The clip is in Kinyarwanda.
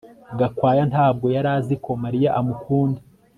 Gakwaya ntabwo yari azi ko Mariya amukunda